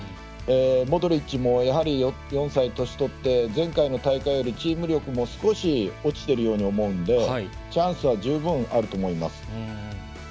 モドリッチも４歳、年を取って前回大会よりチーム力も少し落ちているように思うのでチャンスは十分あると思います。